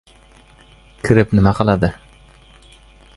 Kirib nima qiladi?